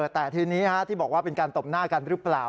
แต่ทีนี้ที่บอกว่าเป็นการตบหน้ากันหรือเปล่า